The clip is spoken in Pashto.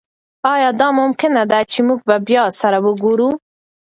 ایا دا ممکنه ده چې موږ بیا سره وګورو؟